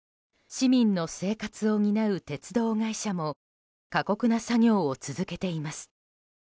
市民の生活を担う鉄道会社も過酷な作業を続けています。